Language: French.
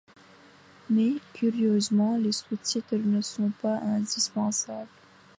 Mais curieusement les sous-titres ne sont pas indispensables.